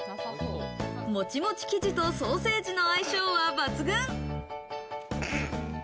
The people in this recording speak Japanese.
モチモチ生地とソーセージの相性は抜群。